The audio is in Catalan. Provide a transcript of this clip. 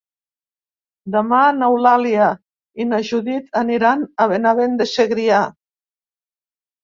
Demà n'Eulàlia i na Judit aniran a Benavent de Segrià.